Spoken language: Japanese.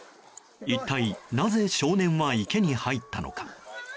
一体なぜ少年は池に入ったのか。